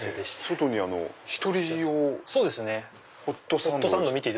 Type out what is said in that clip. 外に１人用ホットサンドって。